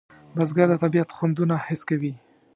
بزګر د طبیعت خوندونه حس کوي